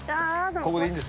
ここでいいんですね？